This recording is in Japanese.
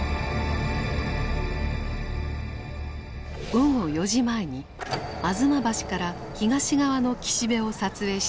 午後４時前に吾妻橋から東側の岸辺を撮影した映像。